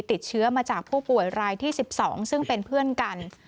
ติดเชื้อมาจากผู้ป่วยรายที่๑๒ซึ่งเป็นเพื่อนกัน